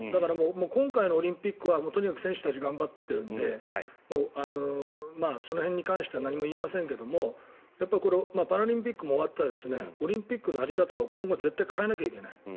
今回のオリンピックはとにかく選手たちが頑張っているのでその辺に関しては何も言いませんがパラリンピックも終わったらオリンピックの在り方を今後変えなきゃいけない。